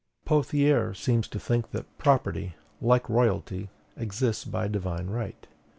Pothier seems to think that property, like royalty, exists by divine right.